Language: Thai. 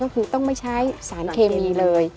ก็คือต้องไม่ใช้สารเคมีเลย